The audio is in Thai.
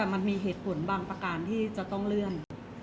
มันมีเหตุผลบางประการที่จะต้องเลื่อน